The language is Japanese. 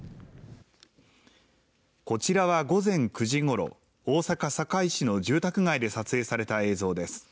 こちらは午前９時ごろ、大阪・堺市の住宅街で撮影された映像です。